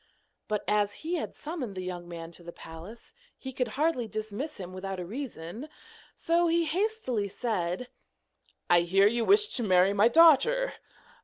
But as he had summoned the young man to the palace, he could hardly dismiss him without a reason, so he hastily said: 'I hear you wish to marry my daughter?